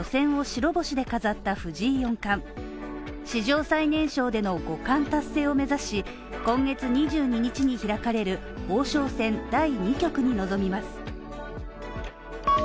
史上最年少での５冠達成を目指し、今月２２日に開かれる王将戦第２局に臨みます。